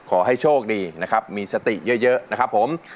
ขอให้โชคดีนะครับมีสติเยอะนะครับผม